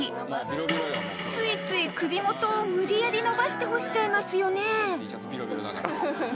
ついつい首元を無理やり伸ばして干しちゃいますよね